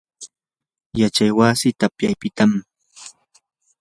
yachay wasi tapyapitam.